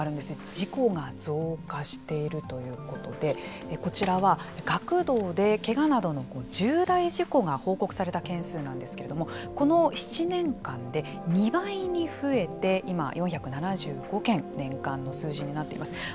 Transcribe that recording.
事故が増加しているということでこちらは学童でけがなどの重大事故が報告された件数なんですけれどもこの７年間で２倍に増えて今、４７５件年間の数字になっています。